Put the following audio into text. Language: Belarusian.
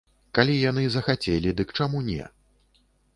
Калі яны захацелі, дык чаму не?